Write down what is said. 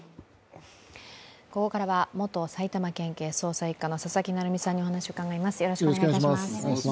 ここからは元埼玉県警捜査一課の佐々木成三さんにお話を伺います。